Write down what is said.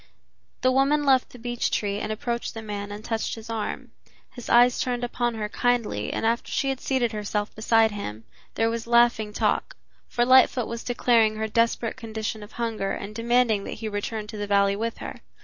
The woman left the beech tree and approached the man and touched his arm. His eyes turned upon her kindly and after she had seated herself beside him, there was laughing talk, for Lightfoot was declaring her desperate condition of hunger and demanding that he return to the valley with her.